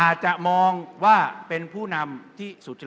จะมองว่าเป็นผู้นำที่สุจริต